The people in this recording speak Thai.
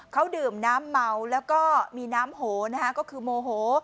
เขาดื่มน้ำเมาแล้วก็มีน้ำโหนะฮะก็คือโมโห